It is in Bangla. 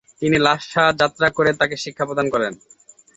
তিনি লাসা যাত্রা করে তাকে শিক্ষা প্রদান করেন।